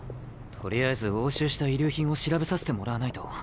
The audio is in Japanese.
取りあえず押収した遺留品を調べさせてもらわないと。